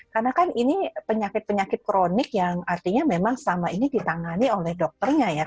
karena kan ini penyakit penyakit kronik yang artinya memang selama ini ditangani oleh dokternya